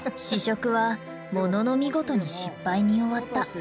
試食はものの見事に失敗に終わった。